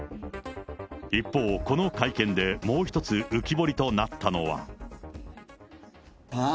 一方、この会見でもう１つ浮き彫りとなったのは。